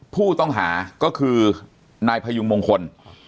ผู้ต้องหาก็คือนายพยุงมงคล